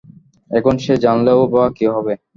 এখন সে জানলেও বা কী হবে?